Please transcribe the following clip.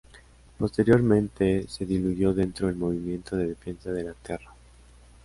Posteriormente, se diluyó dentro el Movimento de Defensa de la Terra.